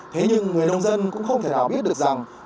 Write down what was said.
thế nhưng người nông dân cũng không thể nào biết được rằng